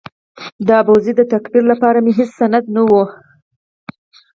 د ابوزید د تکفیر لپاره مې هېڅ سند نه و.